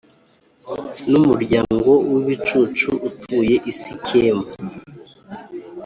n’umuryango w’ibicucu utuye i Sikemu.